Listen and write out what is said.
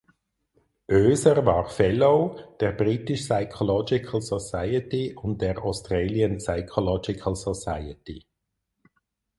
Oeser war Fellow der British Psychological Society und der Australian Psychological Society.